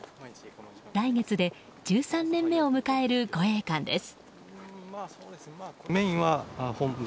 来月で１３年目を迎える護衛官です。